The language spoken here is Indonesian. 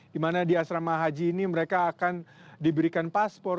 dimana di asrama haji ini mereka akan diberikan paspor